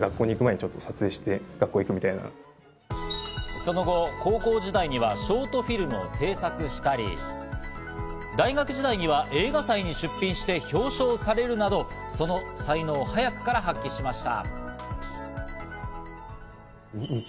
その後、高校時代にはショートフィルムを制作したり、大学時代には映画祭に出品して表彰されるなどその才能を早くから発揮しました。